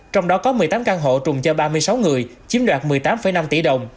trong đó có một mươi tám căn hộ trùng cho ba mươi sáu người chiếm đoạt một mươi tám năm tỷ đồng